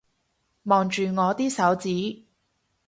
望住我啲手指